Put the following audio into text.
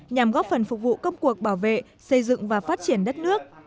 nhằm góp phần phục vụ công cuộc bảo vệ xây dựng và phát triển đất nước